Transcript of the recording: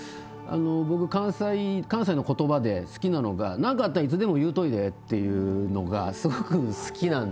僕関西の言葉で好きなのが「何かあったらいつでも言うといで」っていうのがすごく好きなんですけど。